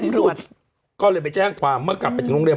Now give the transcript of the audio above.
สุดก็เลยไปแจ้งความเมื่อกลับไปถึงโรงเรียน